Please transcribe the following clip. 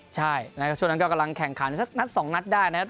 ใช่นะครับช่วงนั้นก็กำลังแข่งขันสักนัดสองนัดได้นะครับ